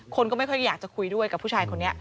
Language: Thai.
คนก็ไม่ค่อยอยากจะคุยด้วยกับผู้ชายคนนี้